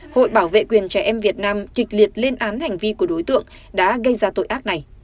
hội bảo vệ quyền trẻ em việt nam kịch liệt lên án hành vi của đối tượng đã gây ra tội ác này